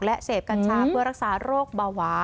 และเสพกัญชาเพื่อรักษาโรคเบาหวาน